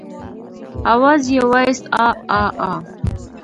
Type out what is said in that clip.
آواز يې واېست عاعاعا.